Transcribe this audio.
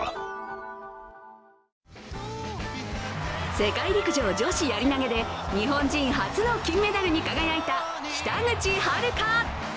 世界陸上女子やり投で日本人初の金メダルに輝いた北口榛花。